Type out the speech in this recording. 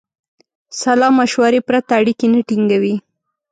سلامشورې پرته اړیکې نه ټینګوي.